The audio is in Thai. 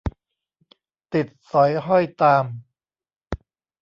ติดสอยห้อยตาม